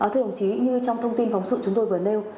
thưa đồng chí như trong thông tin phóng sự chúng tôi vừa nêu